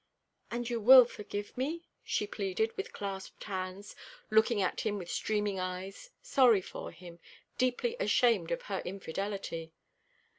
"And you will forgive me?" she pleaded, with clasped hands, looking at him with streaming eyes, sorry for him, deeply ashamed of her infidelity.